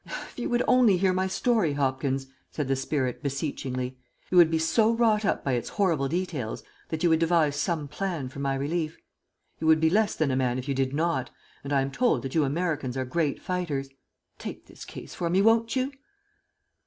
"If you would only hear my story, Hopkins," said the spirit, beseechingly, "you would be so wrought up by its horrible details that you would devise some plan for my relief. You would be less than a man if you did not, and I am told that you Americans are great fighters. Take this case for me, won't you?"